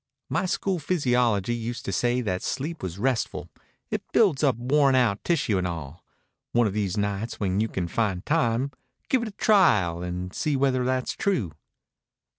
"My school physiology used to say that sleep was restful. It builds up worn out tissue and all. One of these nights, when you can find time, give it a trial and see whether that's true."